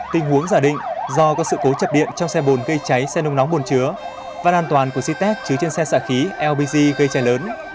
tình huống giả định do có sự cố chập điện trong xe bồn gây cháy xe nông nóng bồn chứa và an toàn của cit chứa trên xe xạ khí lbg gây cháy lớn